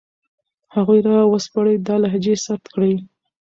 هغوی را وسپړئ، دا لهجې ثبت کړئ